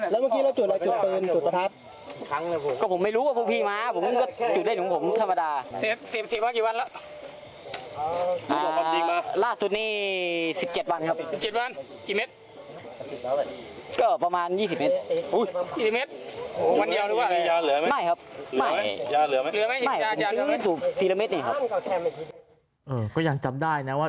ล่าสุดนี้๑๗วันครับ